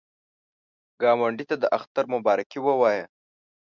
ګاونډي ته د اختر مبارکي ووایه